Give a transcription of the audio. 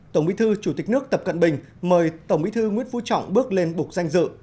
tổng bí thư chủ tịch nước tập cận bình mời tổng bí thư nguyễn phú trọng bước lên bục danh dự